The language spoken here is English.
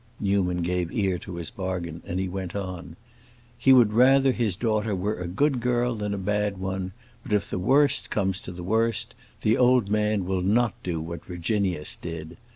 Newman gave ear to his bargain and he went on. "He would rather his daughter were a good girl than a bad one, but if the worst comes to the worst, the old man will not do what Virginius did.